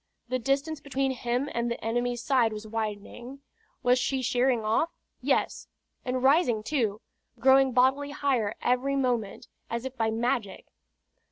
The distance between him and the enemy's side was widening. Was she sheering off? Yes and rising too, growing bodily higher every moment, as if by magic.